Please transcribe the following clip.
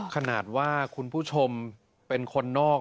ขนาดว่าคุณผู้ชมเป็นคนนอก